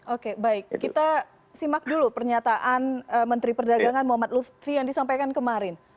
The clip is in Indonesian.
oke baik kita simak dulu pernyataan menteri perdagangan muhammad lutfi yang disampaikan kemarin